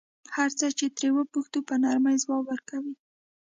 هر څه چې ترې وپوښتو په نرمۍ ځواب ورکوي.